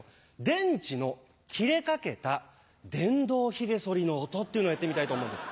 電池の切れかけた電動ひげ剃りの音っていうのやってみたいと思うんです。